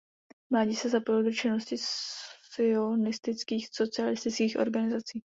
V mládí se zapojil do činnosti sionistických socialistických organizací.